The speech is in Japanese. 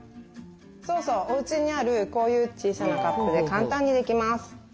そうそうおうちにあるこういう小さなカップで簡単にできます。